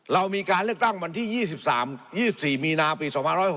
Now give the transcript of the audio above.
เรามีการเลือกตั้งวันที่๒๓๒๔มีนาปี๒๖๖